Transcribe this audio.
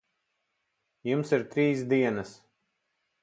Jums ir trīs dienas.